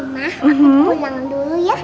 mama aku pulang dulu ya